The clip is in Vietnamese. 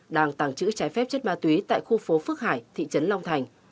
đang tàng trữ trái phép chất ma túy tại khu phố phước hải thị trấn long thành